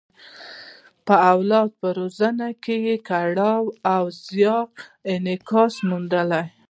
په اولاد په روزنه کې یې کړاو او زیار انعکاس موندلی.